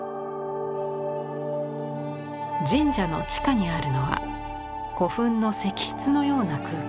神社の地下にあるのは古墳の石室のような空間。